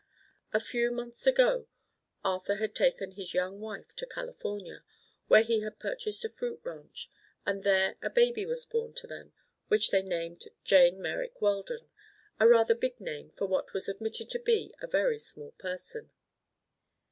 A few months ago Arthur had taken his young wife to California, where he had purchased a fruit ranch, and there a baby was born to them which they named "Jane Merrick Weldon"—a rather big name for what was admitted to be a very small person.